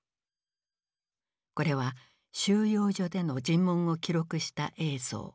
これは収容所での尋問を記録した映像。